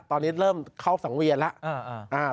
ตอนนี้เริ่มเข้าสังเวียนแล้ว